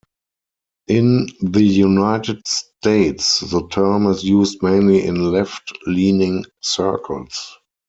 In the United States, the term is used mainly in left-leaning circles.